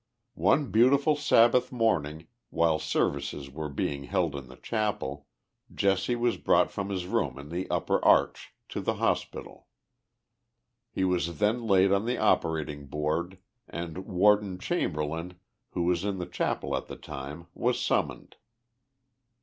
One beautiful Sabbath morning, while services were being held in the chapel, Jesse was brought from his room in the upper arch to the hospital. lie was then laid on the operating board and Warden Chamberlain, who was in the chapel at the time, was summoned.